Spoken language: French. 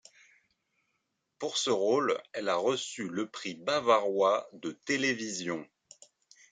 Pour ce rôle, elle a reçu le Prix bavarois de télévision.